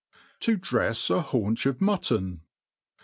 \'' to drefs a Haunch of' Muttm*